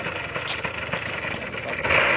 และที่สุดท้ายและที่สุดท้าย